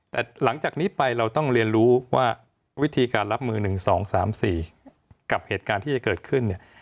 แต่หลังจากนี้ไปเราต้องเรียนรู้ว่าวิธีการรับมือ๑๒๓๔กับเหตุการณ์ที่จะเกิดขึ้นเนี่ย